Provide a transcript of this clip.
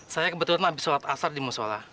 saya kebetulan habis sholat asar di musola